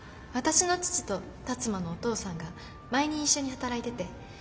私の父と辰馬のお父さんが前に一緒に働いてて。